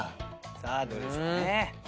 さあどれでしょうね？